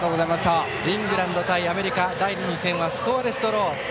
イングランド対アメリカ第２戦はスコアレスドロー。